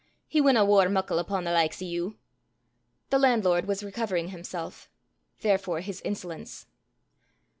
He winna waur muckle upo' the likes o' you." The landlord was recovering himself therefore his insolence.